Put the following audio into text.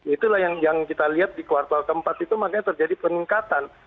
itulah yang kita lihat di kuartal keempat itu makanya terjadi peningkatan